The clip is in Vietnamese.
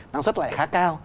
năng suất lại khá cao